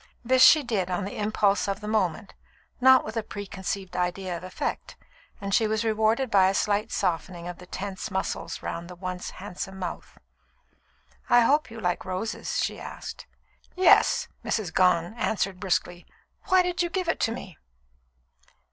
This she did on the impulse of the moment, not with a preconceived idea of effect, and she was rewarded by a slight softening of the tense muscles round the once handsome mouth. "I hope you like roses?" she asked. "Yes," Mrs. Gone answered brusquely. "Why do you give it to me?"